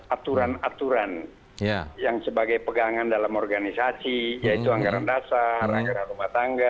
aturan aturan yang sebagai pegangan dalam organisasi yaitu anggaran dasar anggaran rumah tangga